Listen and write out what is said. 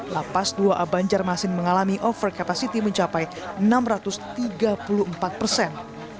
lapas dua a banjarmasin mengalami over capacity mencapai enam ratus tiga puluh empat persen